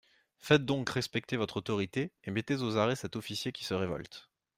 Faites-donc respecter votre autorité, et mettez aux arrêts cet officier qui se révolte.